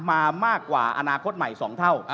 มามากกว่าอนาคตใหม่๒เท่า